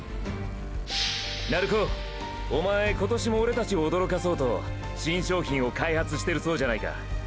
鳴子おまえ今年もオレたちを驚かそうと新商品を開発してるそうじゃないか。